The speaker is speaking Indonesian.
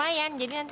aku ada yang nanya